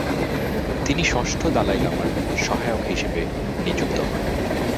তিনি ষষ্ঠ দলাই লামার সহায়ক হিসেবে নিযুক্ত হন।